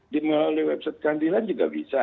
di melalui website kandilan juga bisa